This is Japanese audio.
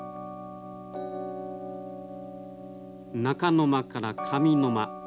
中の間から上の間。